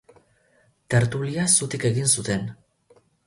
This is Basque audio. Tertulia zutik egin zuten.